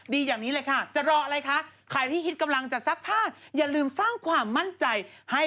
ไม่เล่นใหญ่ก่อนจะทำอะไรคิดว่าเธอปรึกษาเอสเซ็งก์เขาแล้วใช่ไหม